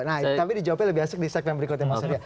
nah tapi dijawabnya lebih asik di segmen berikutnya mas surya